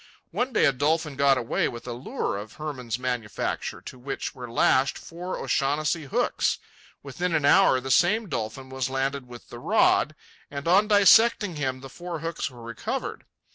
One day a dolphin got away with a lure of Hermann's manufacture, to which were lashed four O'Shaughnessy hooks. Within an hour the same dolphin was landed with the rod, and on dissecting him the four hooks were recovered.